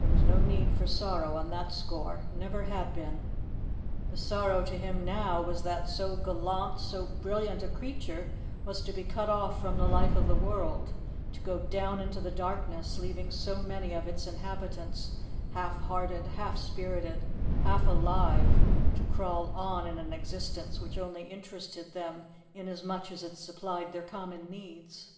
There was no need for sorrow on that score; never had been. The sorrow to him now was that so gallant, so brilliant a creature was to be cut off from the life of the world, to go down into the darkness, leaving so many of its inhabitants half hearted, half spirited, half alive, to crawl on in an existence which only interested them inasmuch as it supplied their common needs.